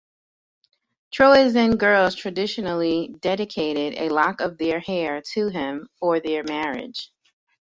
Troezen girls traditionally dedicated a lock of their hair to him before their marriage.